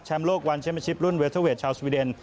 แชมป์โลกวันเช้มเมอร์ชิปรุ่นเวทเทอร์เวทชาวสวีเดน